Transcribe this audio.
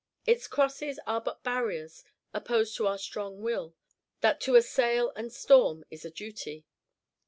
Its crosses are but barriers opposed to our strong will, that to assail and storm is a duty.